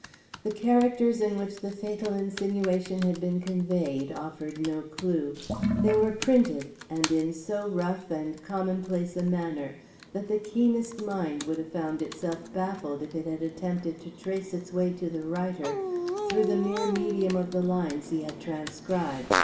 The characters in which the fatal insinuations had been conveyed offered no clue. They were printed, and in so rough and commonplace a manner that the keenest mind would have found itself baffled if it had attempted to trace its way to the writer through the mere medium of the lines he had transcribed.